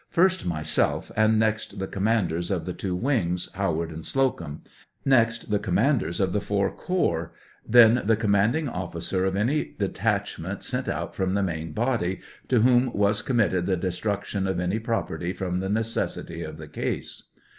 First myself, and next the commanders of the two wings, Howard and Slocnm; next the commanders of the four corps; then the commanding officer of any detachment sent out from the main body, to whom was committed the destruction of any property from the necessity of the case.